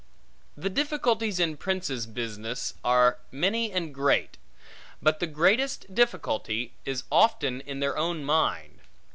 The difficulties in princes' business are many and great; but the greatest difficulty, is often in their own mind.